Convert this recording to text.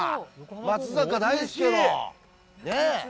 松坂大輔の、ねえ。